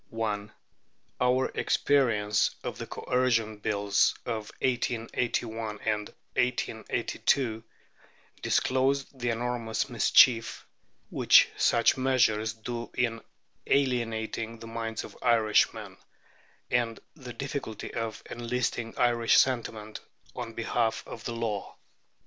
Our experience of the Coercion Bills of 1881 and 1882 disclosed the enormous mischief which such measures do in alienating the minds of Irishmen, and the difficulty of enlisting Irish sentiment on behalf of the law.